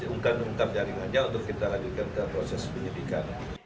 untuk kita hadirkan ke proses penyedikan